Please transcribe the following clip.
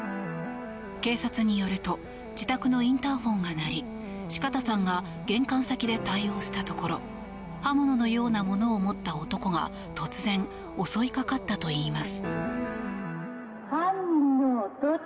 警察によると自宅のインターホンが鳴り四方さんが玄関先で対応したところ刃物のようなものを持った男が突然、襲いかかったといいます。